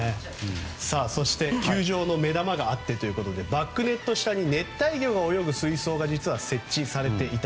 そして球場の目玉があるということでバックネット下に熱帯魚が泳ぐ水槽が実は設置されていた。